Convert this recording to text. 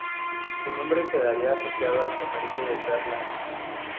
Su nombre quedaría asociado al comercio de perlas.